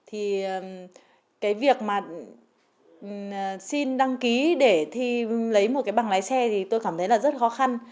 thì cái việc mà xin đăng ký để thi lấy một cái bằng lái xe thì tôi cảm thấy là rất khó khăn